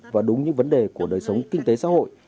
và đúng những vấn đề của đời sống kinh tế xã hội